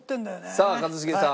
さあ一茂さん。